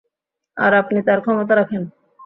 আর আপনি তার ক্ষমতা রাখেন।